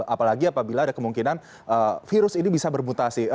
apalagi apabila ada kemungkinan virus ini bisa bermutasi